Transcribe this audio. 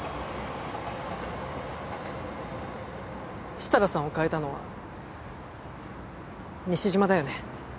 設楽さんを変えたのは西島だよね？